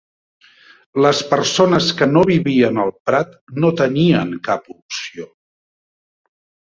Les persones que no vivien al Prat no tenien cap opció.